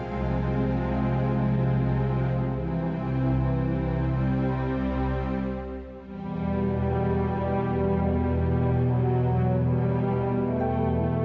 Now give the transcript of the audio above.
kamu gak sakit kak